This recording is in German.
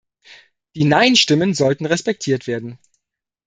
Die Neinstimmen sollten respektiert werden.